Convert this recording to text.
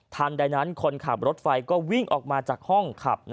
ใดนั้นคนขับรถไฟก็วิ่งออกมาจากห้องขับ